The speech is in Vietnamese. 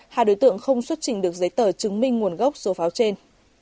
hai đối tượng không xuất trình được giấy tờ chứng minh nguồn gốc số pháo trên